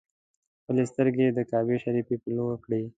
خپلې سترګې یې د کعبې شریفې پر لور کړې.